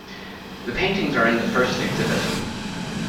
The paintings are in the first exhibit.